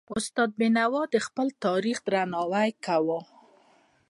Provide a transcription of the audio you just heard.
استاد بينوا د خپل تاریخ درناوی کاوه.